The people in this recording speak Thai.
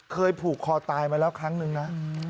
ผูกคอตายมาแล้วครั้งนึงนะ